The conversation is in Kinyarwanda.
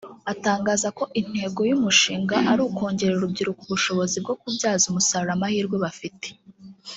Atangaza ko intego y’umushinga ari ukongerera urubyiruko ubushobozi bwo kubyaza umusaruro amahirwe bafite